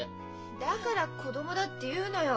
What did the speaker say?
だから子供だって言うのよ。